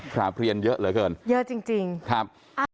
ครับเรียนเยอะเหลือเกินเยอะจริงครับ